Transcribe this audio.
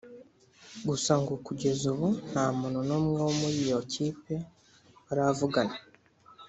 gusa ngo kugeza ubu nta muntu n’umwe wo muri iyo kipe baravugana